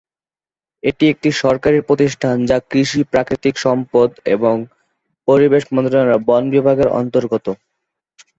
এটি একটি সরকারি প্রতিষ্ঠান, যা কৃষি, প্রাকৃতিক সম্পদ এবং পরিবেশ মন্ত্রণালয়ের বন বিভাগের অন্তর্গত।